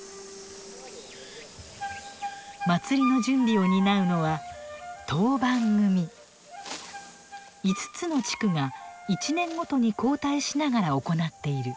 祭りの準備を担うのは５つの地区が１年ごとに交代しながら行っている。